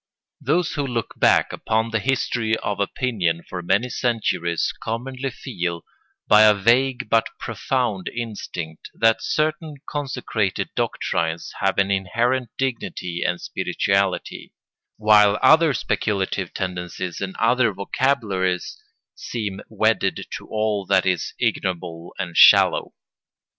] Those who look back upon the history of opinion for many centuries commonly feel, by a vague but profound instinct, that certain consecrated doctrines have an inherent dignity and spirituality, while other speculative tendencies and other vocabularies seem wedded to all that is ignoble and shallow.